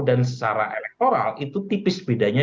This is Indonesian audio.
dan secara elektoral itu tipis bedanya